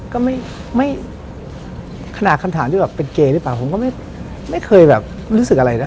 ก็ไม่ขนาดคำถามที่แบบเป็นเกย์หรือเปล่าผมก็ไม่เคยแบบรู้สึกอะไรนะ